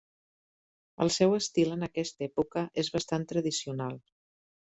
El seu estil en aquesta època és bastant tradicional.